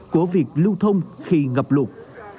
của việc lưu thông khi ngập lụt